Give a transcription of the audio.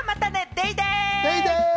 デイデイ！